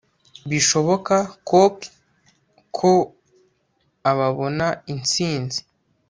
bishoboka cock ko ababona intsinzi